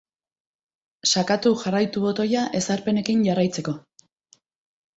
Sakatu jarraitu botoia ezarpenekin jarraitzeko.